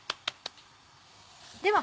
では